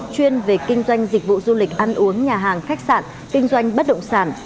chuyên về kinh doanh dịch vụ du lịch ăn uống nhà hàng khách sạn kinh doanh bất động sản